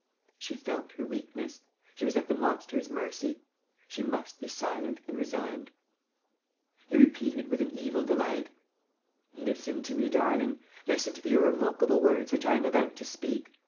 She felt her weakness. She was at the monster's mercy. She must be silent and resigned. He repeated, with an evil delight: "Listen to me, darling. Listen to the irrevocable words which I am about to speak.